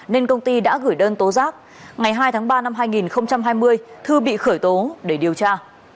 nên công ty đã gửi đơn tố giác ngày hai tháng ba năm hai nghìn hai mươi thư bị khởi tố để điều tra